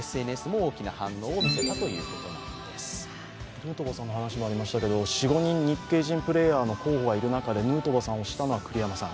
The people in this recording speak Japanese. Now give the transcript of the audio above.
ヌートバーさんの話もありましたけど、４５人日系人選手の候補がいたのにヌートバー選手を選んだのは栗山さん。